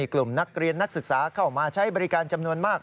กลุ่มนักเรียนนักศึกษาเข้ามาใช้บริการจำนวนมาก